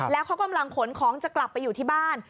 แล้วเขากำลังขนของจะกลับไปอยู่ที่บ้าน